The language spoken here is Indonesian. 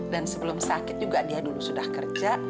dan sebelum sakit juga dia dulu sudah kerja